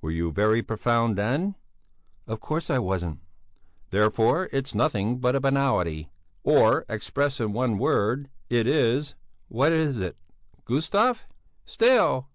Were you very profound then?" "Of course I wasn't!" "Therefore it's nothing but a banality! Or, expressed in one word it is what is it, Gustav?" "Stale!"